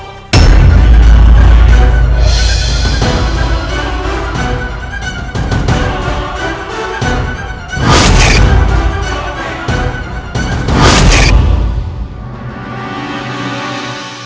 ibu bunda beragukan kemampuan kian santang